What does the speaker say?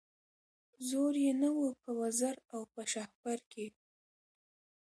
زور یې نه وو په وزر او په شهپر کي